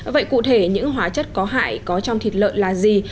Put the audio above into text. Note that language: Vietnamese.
vậy cụ thể những hóa chất có hại có trong thịt lợn là gì